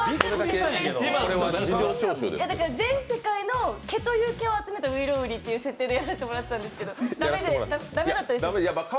全世界の毛という毛を集めたういろう売りという設定でやらせてもらってたんですけど駄目だったですか？